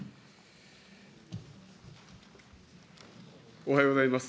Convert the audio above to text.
おはようございます。